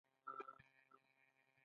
د جنګ لاره عملي نه ده